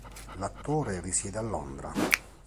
L'attore risiede a Londra.